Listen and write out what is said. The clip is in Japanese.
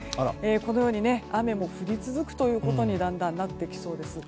このように、だんだん雨も降り続くということになってきそうです。